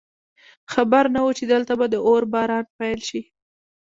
خبر نه وو چې دلته به د اور باران پیل شي